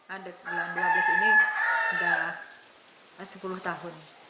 adik bulan dua belas ini sudah sepuluh tahun